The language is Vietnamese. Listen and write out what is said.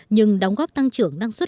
nhưng đóng góp tăng trưởng năng suất